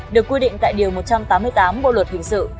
được quy định tại điều một trăm tám mươi tám bộ luật hình sự